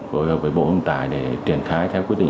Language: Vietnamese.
với bộ hồng tài để triển khai theo quyết định một mươi chín